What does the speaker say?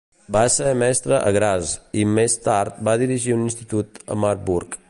Va ser mestre a Graz i més tard va dirigir un institut a Marburg.